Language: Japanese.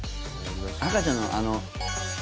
赤ちゃんの、あの。